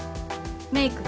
メイク